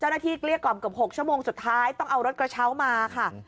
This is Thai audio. เจ้าหน้าที่กลี่ก่อนกว่า๖ชั่วโมงสุดท้ายต้องเอารถกระเช้ามาค่ะ